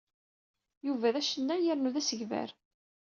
Yuba d acennay yernu d asegbar.